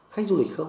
khách du lịch không